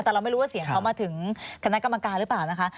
แต่เราไม่รู้ว่าเสียงเขามาถึงคณะกรรมการหรือเปล่านะคะ